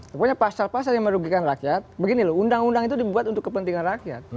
pokoknya pasal pasal yang merugikan rakyat begini loh undang undang itu dibuat untuk kepentingan rakyat